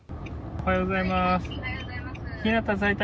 おはようございます。